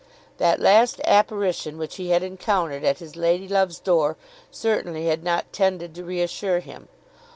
That last apparition which he had encountered at his lady love's door certainly had not tended to reassure him.